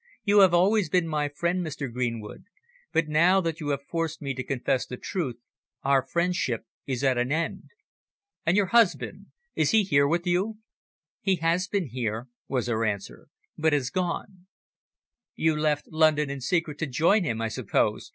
"You have always been my friend, Mr. Greenwood, but now that you have forced me to confess the truth our friendship is at an end." "And your husband, is he here with you?" "He has been here," was her answer, "but has gone." "You left London in secret to join him, I suppose?"